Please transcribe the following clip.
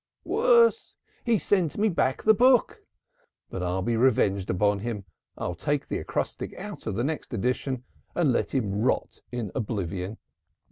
"Worse! He sent me back the book. But I'll be revenged on him. I'll take the acrostic out of the next edition and let him rot in oblivion.